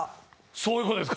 そういうことです。